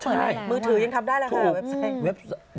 ใช่มือถือยังทำได้แล้วค่ะเว็บไซต์